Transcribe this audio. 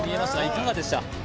いかがでした？